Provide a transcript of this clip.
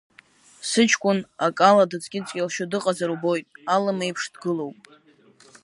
Сыҷкәын ак ала дыҵкьыҵкьалшьо дыҟазар убоит, алым еиԥш дгылоуп…